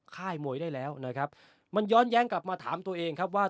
ค่ายมวยได้แล้วนะครับมันย้อนแย้งกลับมาถามตัวเองครับว่า